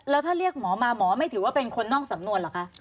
แล้วถ้าเรียกหมอมาหมอไม่ถือว่าเป็นคนนอกสำนวนเหรอคะ